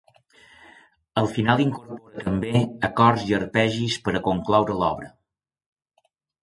El final incorpora també acords i arpegis per a concloure l'obra.